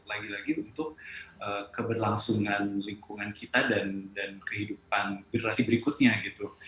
lagi lagi untuk keberlangsungan lingkungan kita dan kehidupan generasi berikutnya gitu